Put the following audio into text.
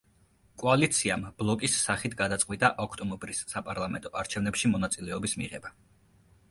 კოალიციამ ბლოკის სახით გადაწყვიტა ოქტომბრის საპარლამენტო არჩევნებში მონაწილეობის მიღება.